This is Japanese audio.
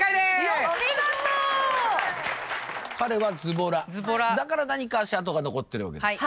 よしお見事だから何か足跡が残ってるわけです